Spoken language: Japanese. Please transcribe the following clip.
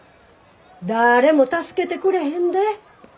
だれも助けてくれへんで？